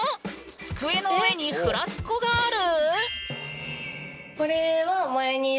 机の上にフラスコがある？